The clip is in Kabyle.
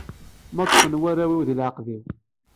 Ma ṭṭfen warraw-ik di leɛqed-iw.